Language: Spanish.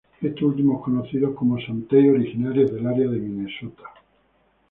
Estos últimos conocidos como santee y originarios del área de Minnesota.